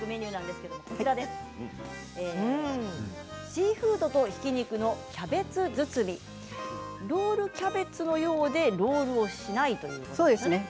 シーフードとひき肉のキャベツ包みロールキャベツのようでロールをしないんですね。